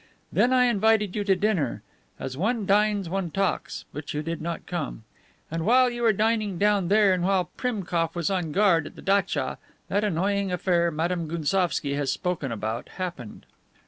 Then I invited you to dinner. As one dines one talks. But you did not come. And, while you were dining down there and while Priemkof was on guard at the datcha, that annoying affair Madame Gounsovski has spoken about happened."